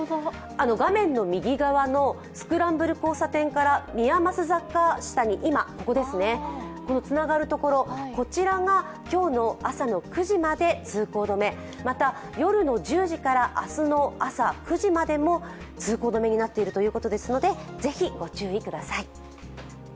画面の右側のスクランブル交差点から宮益坂下に、このつながるところ、こちらが今日の朝の９時まで通行止め、また、夜の１０時から明日の朝９時までも通行止めになっているということですのでぜひご注意ください。